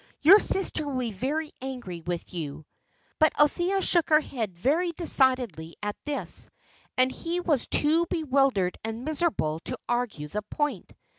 "Your sister will be very angry with you." But Althea shook her head very decidedly at this, and he was too bewildered and miserable to argue the point.